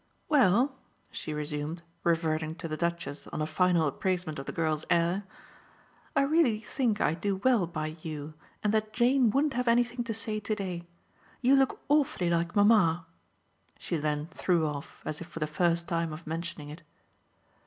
"Well," she resumed, reverting to the Duchess on a final appraisement of the girl's air, "I really think I do well by you and that Jane wouldn't have anything to say to day. You look awfully like mamma," she then threw off as if for the first time of mentioning it.